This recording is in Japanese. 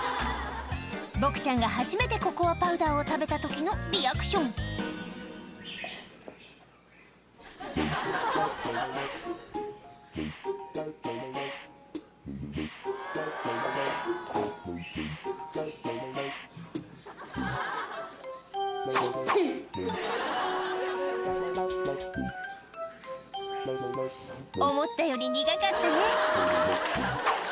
ボクちゃんが初めてココアパウダーを食べた時のリアクション思ったより苦かったね